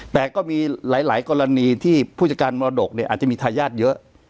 แต่ก็มีหลายกรณีที่ผู้จัดการมรดกอาจจะมีทายาทเยอะ